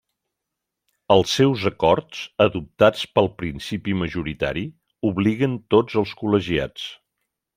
Els seus acords, adoptats pel principi majoritari, obliguen tots els col·legiats.